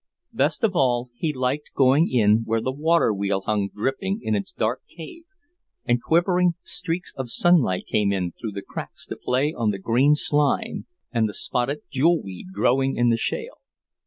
Best of all he liked going in where the water wheel hung dripping in its dark cave, and quivering streaks of sunlight came in through the cracks to play on the green slime and the spotted jewel weed growing in the shale.